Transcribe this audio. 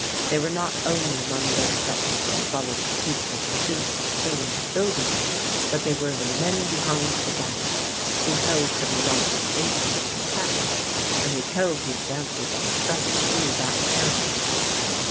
They were not only among those settlers who followed the peaceful pursuits of tilling and building, but they were "the men behind the guns" who held the marauding Indians in check and repelled the advances of the French through that territory.